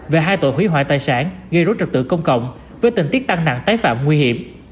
về hai tội hủy hoại tài sản gây rối trật tự công cộng với tình tiết tăng nặng tái phạm nguy hiểm